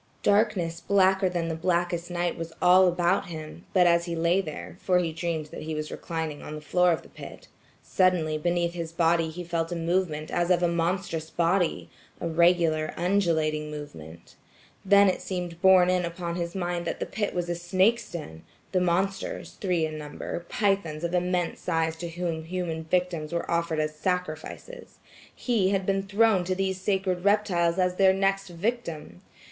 Darkness blacker than the blackest night was all about him; but as he lay there, for he dreamed that he was reclining on the floor of the pit, suddenly beneath his body he felt a movement as of a monstrous body–a regular undulating movement. Then it seemed borne in upon his mind that the pit was a snake's den; the monsters–three in number–pythons of immense size to whom human victims were offered as sacrifices. He had been thrown to these sacred reptiles as their next victim.